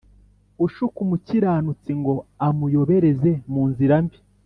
ushuka umukiranutsi ngo amuyobereze mu nzira mbi